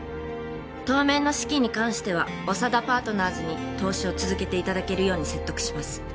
当面の資金に関しては長田パートナーズに投資を続けていただけるように説得します